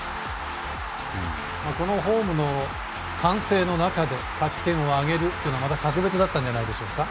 このホームの歓声の中で勝ち点を挙げるっていうのはまた格別だったんじゃないですか。